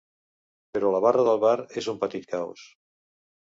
Però la barra del bar és un petit caos.